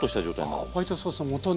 あホワイトソースの素に。